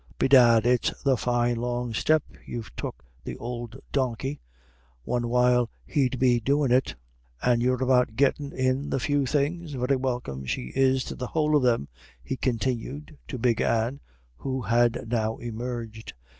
Bedad it's the fine long step you've took th'ould donkey; one while he'd be doin' it. And you're about gettin' in the few things? Very welcome she is to the whole of them," he continued to Big Anne, who had now emerged.